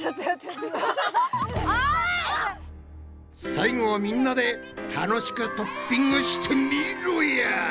最後はみんなで楽しくトッピングしてみろや！